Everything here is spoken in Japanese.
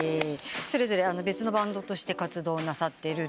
それぞれ別のバンドとして活動なさってると。